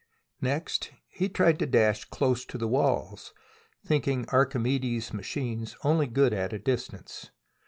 Next he tried to dash close to the walls, thinking Archimedes's machines only good at a distance.